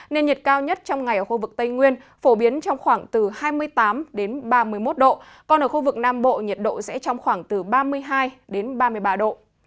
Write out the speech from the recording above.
nên nhiệt cao nhất trong ngày ở khu vực tây nguyên phổ biến trong khoảng từ hai mươi tám ba mươi một độ còn ở khu vực nam bộ nhiệt độ sẽ trong khoảng từ ba mươi hai ba mươi ba độ